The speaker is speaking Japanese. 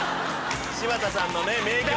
柴田さんのね名曲。